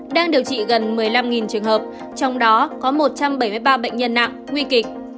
đang điều trị gần một mươi năm trường hợp trong đó có một trăm bảy mươi ba bệnh nhân nặng nguy kịch